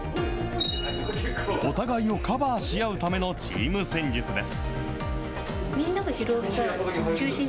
お互いをカバーし合うためのチーム戦術です。